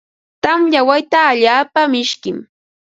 Tamya wayta allaapa mishkim.